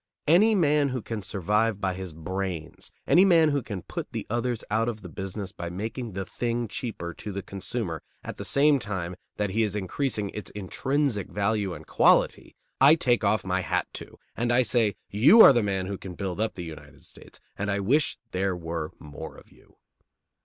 Any man who can survive by his brains, any man who can put the others out of the business by making the thing cheaper to the consumer at the same time that he is increasing its intrinsic value and quality, I take off my hat to, and I say: "You are the man who can build up the United States, and I wish there were more of you."